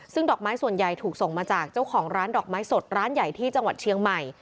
ซึ่งดอกไม้ส่วนใหญ่ถูกส่งมาจากเจ้าของร้านดอกไม้สดร้านใหญ่ที่จังหวัดเชียงใหม่